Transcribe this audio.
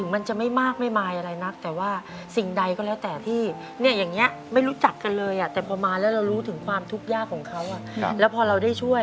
มันมีความเขาเรียกอะไรปื้มใจ